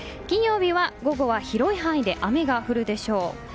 金曜日は午後は広い範囲で雨が降るでしょう。